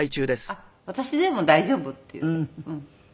あっ私でも大丈夫っていう。